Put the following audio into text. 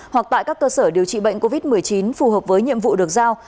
hoặc tại các cơ sở điều trị bệnh covid một mươi chín phù hợp với nhiệm vụ được giao